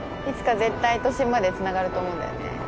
いつか絶対都心までつながると思うんだよね。